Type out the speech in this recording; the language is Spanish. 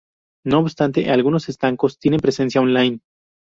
No obstante, algunos estancos tienen presencia online.